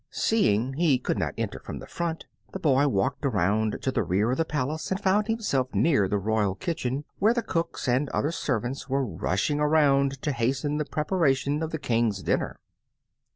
Seeing he could not enter from the front, the boy walked around to the rear of the palace and found himself near the royal kitchen, where the cooks and other servants were rushing around to hasten the preparation of the King's dinner.